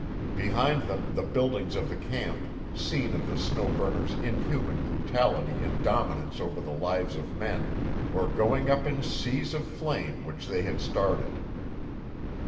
Behind them the buildings of the camp, scene of the Snow Burner's inhuman brutality and dominance over the lives of men, were going up in seas of flame which they had started.